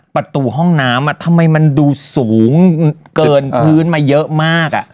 ประตูห้องน้ำทำไมมันดูสูงเกินพื้นมาเยอะมาก